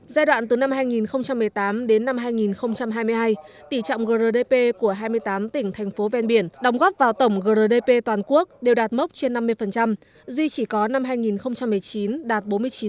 giai đoạn từ năm hai nghìn một mươi tám đến năm hai nghìn hai mươi hai tỷ trọng grdp của hai mươi tám tỉnh thành phố ven biển đồng góp vào tổng grdp toàn quốc đều đạt mốc trên năm mươi duy chỉ có năm hai nghìn một mươi chín đạt bốn mươi chín